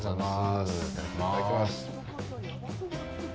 いただきます。